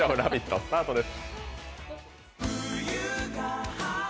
スタートです。